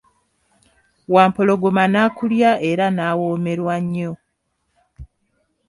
Wampologoma nakulya era nawomerwa nnyo.